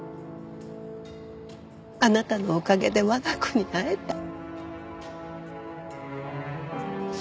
あなたのおかげで我が子に会えた。